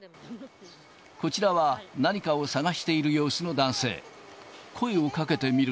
こちらは、何かを探している様子の男性。